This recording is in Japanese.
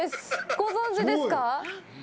ご存じですか？